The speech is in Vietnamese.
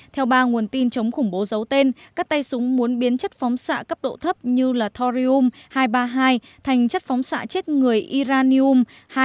theo ba nguồn tin chống khủng bố giấu tên các tay súng muốn biến chất phóng xạ cấp độ thấp như thorium hai trăm ba mươi hai thành chất phóng xạ chết người iranium hai trăm ba mươi ba